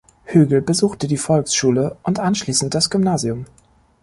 Hügel besuchte die Volksschule und anschließend das Gymnasium.